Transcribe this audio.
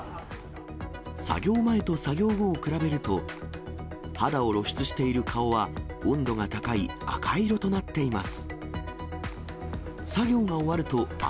作業前と作業後を比べると、肌を露出している顔は、温度が高い赤色となっています。